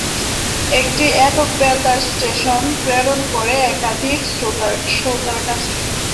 একটি একক বেতার স্টেশন প্রেরণ করে একাধিক শ্রোতার কাছে।